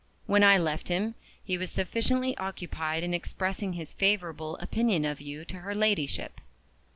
"When I left him, he was sufficiently occupied in expressing his favorable opinion of you to her Ladyship."